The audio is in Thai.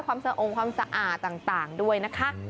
สะองความสะอาดต่างด้วยนะคะ